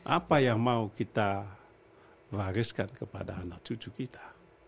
apa yang mau kita wariskan kepada anak cucu kita